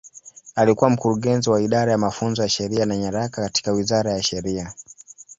Alikuwa Mkurugenzi wa Idara ya Mafunzo ya Sheria na Nyaraka katika Wizara ya Sheria.